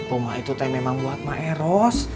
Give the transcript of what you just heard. rumah itu memang buat maeros